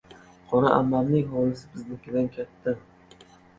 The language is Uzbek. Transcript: «Qora ammam»ning hovlisi biznikidan katta.